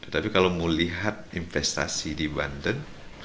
tapi kalau mau lihat investasi di banten